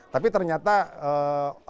tapi ternyata saya tidak